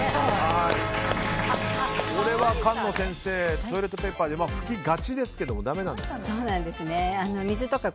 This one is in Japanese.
菅野先生、トイレットペーパーで拭きがちですけどだめなんですか。